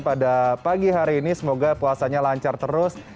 pada pagi hari ini semoga puasanya lancar terus